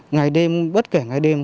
ngày đêm bất kể ngày đêm